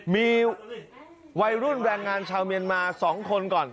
มีวัยรุ่นแรงงานชาวเมียนมา๒คนก่อน